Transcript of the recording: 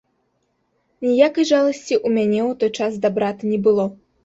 Ніякай жаласці ў мяне ў той час да брата не было.